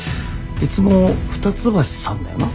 いつも二ツ橋さんだよな？